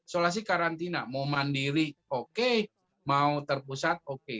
seolah olah karantina mau mandiri oke mau terpusat oke